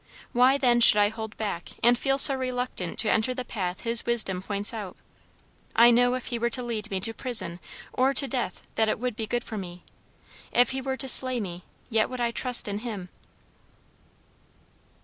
Why, then, should I hold back, and feel so reluctant to enter the path His wisdom points out? I know if He were to lead me to prison, or to death, that it would be good for me. If He were to slay me, yet would I trust in him."